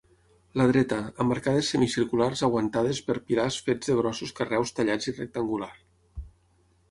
La dreta, amb arcades semicirculars aguantades per pilars fets de grossos carreus tallats i rectangular.